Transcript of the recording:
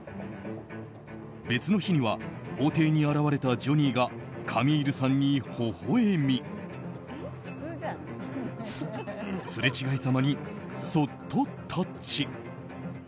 別の日には法廷に現れたジョニーがカミールさんにほほ笑みすれ違いざまに、そっとタッチ。